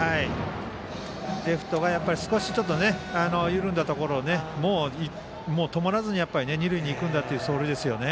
レフトが少し緩んだところをもう止まらずに二塁に行くんだという走塁ですね。